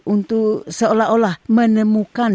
untuk seolah olah menemukan